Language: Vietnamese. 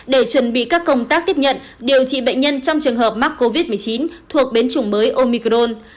để chuẩn bị các công tác tiếp nhận điều trị bệnh nhân trong trường hợp mắc covid một mươi chín thuộc biến chủng mới omicron